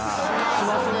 しますね。